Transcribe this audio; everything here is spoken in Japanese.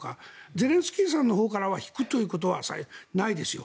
ゼレンスキーさんのほうからは引くということはないですよ